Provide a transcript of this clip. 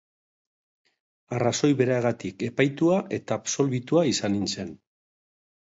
Arrazoi beragatik epaitua eta absolbitua izan nintzen.